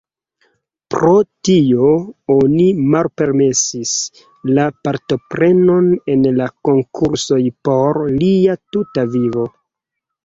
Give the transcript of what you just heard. Pro tio oni malpermesis la partoprenon en la konkursoj por lia tuta vivo.